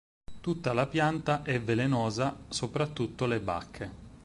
Tutta la pianta è velenosa soprattutto le bacche.